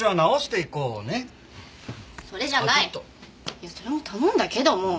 いやそれも頼んだけども。